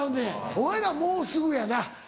お前らもうすぐやな。